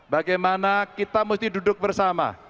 bagaimana kita mesti duduk bersama